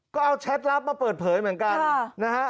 ก็เอาแชทลับมาเปิดเผยเหมือนกันนะฮะ